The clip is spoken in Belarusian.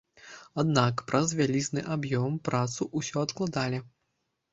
Аднак праз вялізны аб'ём працу ўсё адкладалі.